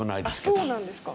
あっそうなんですか？